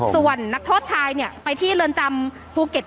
ส่วนนักโทษชายเนี่ยไปที่เรือนจำภูเก็ต